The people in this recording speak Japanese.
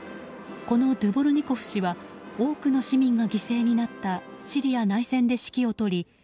このドゥボルニコフ氏は多くの市民が犠牲になったシリア内戦で指揮を執り